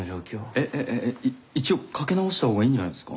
えっえっ一応かけ直した方がいいんじゃないですか？